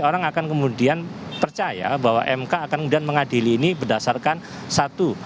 orang akan kemudian percaya bahwa mk akan kemudian mengadili ini berdasarkan satu